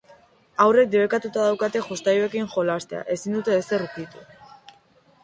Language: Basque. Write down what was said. Haurrek debekatuta daukate jostailuekin jolastea, ezin dute ezer ukitu.